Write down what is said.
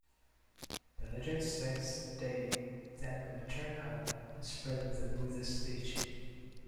The legend states that they then returned home and spread the Buddha's teaching.